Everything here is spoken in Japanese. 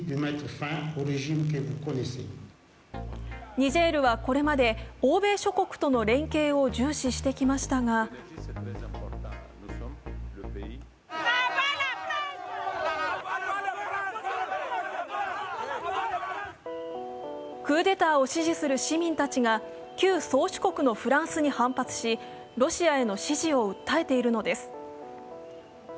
ニジェールはこれまで欧米諸国との連携を重視してきましたがクーデターを支持する市民たちが旧宗主国のフランスに反発し、ロシアへの支持を訴えているのです。